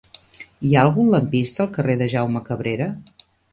Hi ha algun lampista al carrer de Jaume Cabrera?